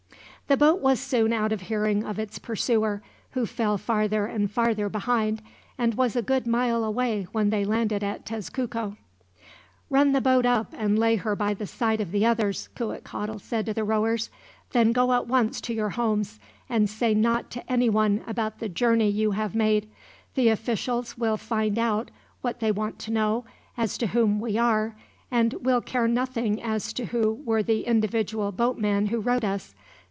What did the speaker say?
The boat was soon out of hearing of its pursuer, who fell farther and farther behind, and was a good mile away when they landed at Tezcuco. "Run the boat up and lay her by the side of the others," Cuitcatl said to the rowers. "Then go at once to your homes, and say naught to anyone about the journey you have made. The officials will find out what they want to know as to whom we are, and will care nothing as to who were the individual boatmen who rowed us.